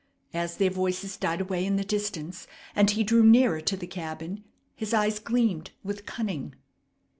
As their voices died away in the distance, and he drew nearer to the cabin, his eyes gleamed with cunning.